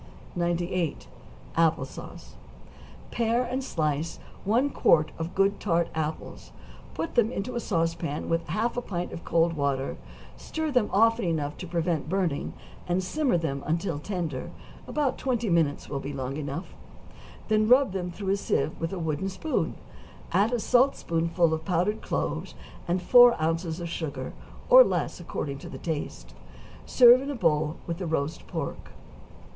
98. =Apple Sauce.= Pare and slice one quart of good tart apples; put them into a sauce pan with half a pint of cold water; stir them often enough to prevent burning, and simmer them until tender, about twenty minutes will be long enough; then rub them through a sieve with a wooden spoon, add a saltspoonful of powdered cloves, and four ounces of sugar, or less according to the taste; serve in a bowl, with the roast pork.